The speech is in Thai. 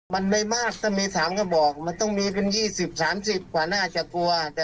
มันไม่มากถ้ามี๓กระบอกมันต้องมีเป็น๒๐๓๐กว่าน่าจะกลัว